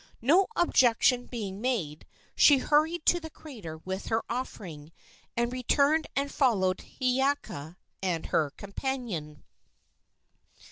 No objection being made, she hurried to the crater with her offering, and returned and followed Hiiaka and her companion.